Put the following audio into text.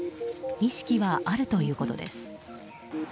意識はあるということです。